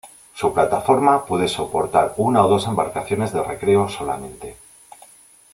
Su plataforma puede soportar una o dos embarcaciones de recreo solamente.